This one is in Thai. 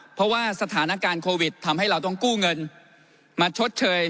เพราะว่าสถานการณ์โควิดทำให้เราต้องกู้เงินมาชดเชย